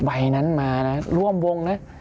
ใบนั้นมานะร่วมวงนะ